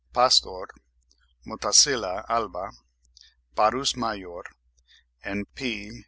Pastor, Motacilla alba, Parus major and P.